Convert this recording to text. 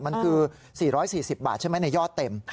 มันคือ๔๔๐บาทใช่ไหมในยอดเต็ม